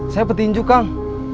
saya petinju kang